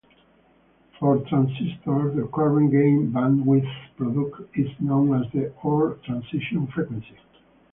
For transistors, the current-gain-bandwidth product is known as the or "transition frequency".